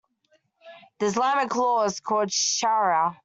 The Islamic law is called shariah.